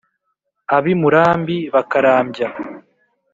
Ab’i Murambi bakarambya